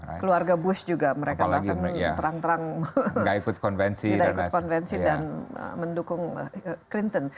apalagi mereka bahkan terang terang tidak ikut konvensi dan mendukung clinton